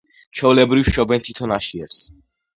ჩვეულებრივ შობენ თითო ნაშიერს.